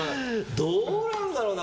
どうなんだろうな。